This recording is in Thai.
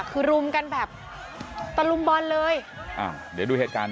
คือรุมกันแบบตะลุมบอลเลยอ้าวเดี๋ยวดูเหตุการณ์